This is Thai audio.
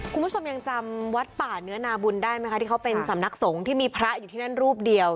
คุณผู้ชมยังจำวัดป่าเนื้อนาบุญได้ไหมคะที่เขาเป็นสำนักสงฆ์ที่มีพระอยู่ที่นั่นรูปเดียว